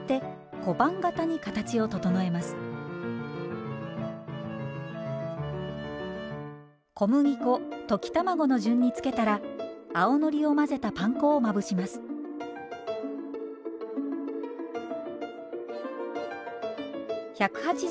小麦粉溶き卵の順に付けたら青のりを混ぜたパン粉をまぶします。